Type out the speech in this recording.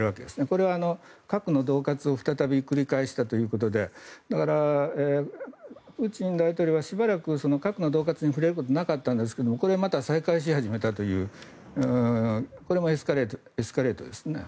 これは核のどう喝を再び繰り返したということでだから、プーチン大統領はしばらく核のどう喝に触れることはなかったんですがこれまた再開し始めたというこれもエスカレートですね。